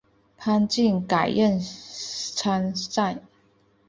潘靖改任参赞。